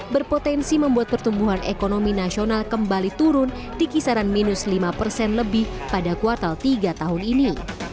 berpotensi membuat pertumbuhan ekonomi nasional kembali turun di kisaran minus lima persen lebih pada kuartal tiga tahun ini